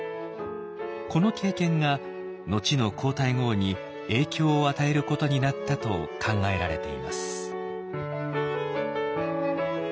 この経験が後の皇太后に影響を与えることになったと考えられています。